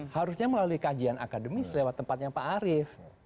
harusnya melalui kajian akademis lewat tempatnya pak arief